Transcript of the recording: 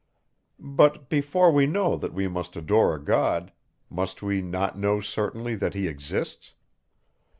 But, before we know that we must adore a God, must we not know certainly, that he exists?